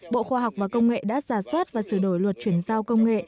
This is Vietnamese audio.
bộ khoa học và công nghệ đã giả soát và sửa đổi luật chuyển giao công nghệ